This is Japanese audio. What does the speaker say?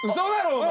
お前。